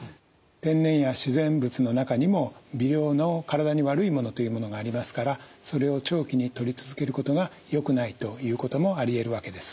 天然や自然物の中にも微量の体に悪いものというものがありますからそれを長期にとり続けることがよくないということもありえるわけです。